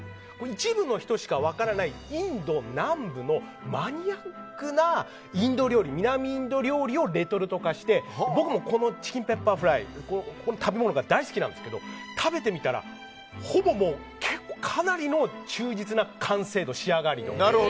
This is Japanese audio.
一部の人しか分からないインド南部のマニアックな南インド料理をレトルト化して僕もこのチキンペッパーフライこの食べ物が大好きなんですけど食べてみたらほぼ、かなりの忠実な完成度仕上がりです。